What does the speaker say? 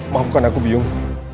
maafkan aku biung